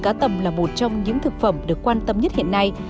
cá tầm là một trong những thực phẩm được quan tâm nhất hiện nay